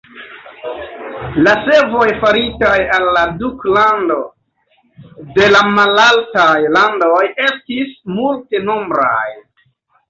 La servoj faritaj al la duklando de la Malaltaj Landoj estis multenombraj.